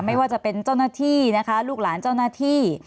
ไม่ว่าจะเป็นเจ้าหน้าที่นะคะลูกหลานเจ้าหน้าที่